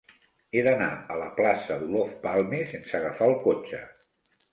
He d'anar a la plaça d'Olof Palme sense agafar el cotxe.